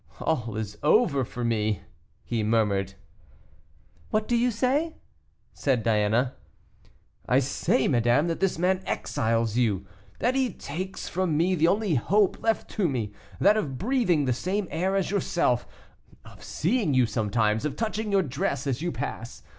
"All is over for me," he murmured. "What do you say?" said Diana. "I say, madame, that this man exiles you, that he takes from me the only hope left to me, that of breathing the same air as yourself, of seeing you sometimes, of touching your dress as you pass.